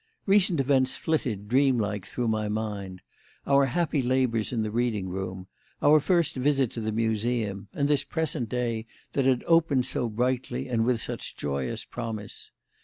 Recent events flitted, dream like, through my mind; our happy labours in the reading room; our first visit to the Museum; and this present day that had opened so brightly and with such joyous promise.